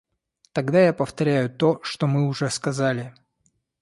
Тогда я повторяю то, что мы уже сказали.